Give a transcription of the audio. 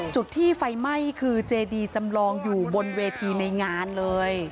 จุดที่ไฟไหม้คือเจดีจำลองอยู่บนเวทีในงานเลย